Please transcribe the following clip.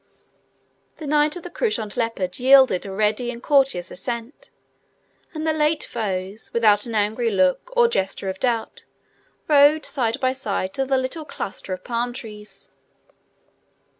The Knight of the Couchant Leopard yielded a ready and courteous assent; and the late foes, without an angry look or gesture of doubt, rode side by side to the little cluster of palm trees.